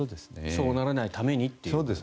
そうならないためにということですね。